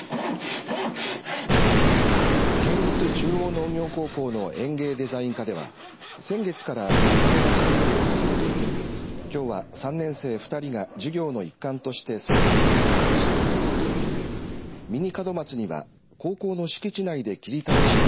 県立中央農業高校の園芸デザイン科では先月からミニ門松作りを始めていてきょうは３年生２人が授業の一環として製作を行いました。